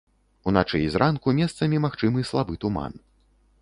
Уначы і зранку месцамі магчымы слабы туман.